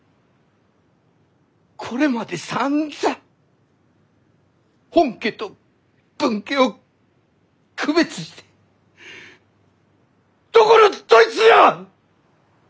これまでさんざん本家と分家を区別してどこのどいつじゃ！